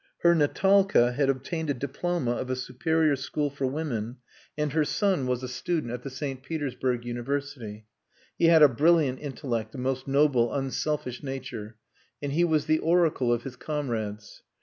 Her Natalka had obtained a diploma of a Superior School for Women and her son was a student at the St. Petersburg University. He had a brilliant intellect, a most noble unselfish nature, and he was the oracle of his comrades.